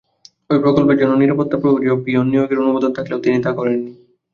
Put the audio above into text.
ওই প্রকল্পের জন্য নিরাপত্তাপ্রহরী ও পিয়ন নিয়োগের অনুমোদন থাকলেও তিনি তা করেননি।